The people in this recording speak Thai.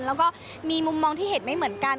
แล้วก็มีมุมมองที่เห็นไม่เหมือนกัน